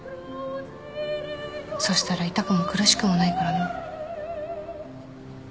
そしたら痛くも苦しくもないからな。